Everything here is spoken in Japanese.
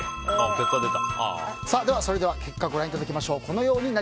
では、結果をご覧いただきましょう。